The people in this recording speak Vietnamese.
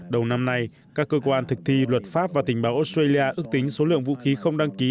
đầu năm nay các cơ quan thực thi luật pháp và tình báo australia ước tính số lượng vũ khí không đăng ký